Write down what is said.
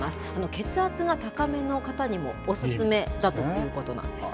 血圧が高めの方にもお勧めだということなんです。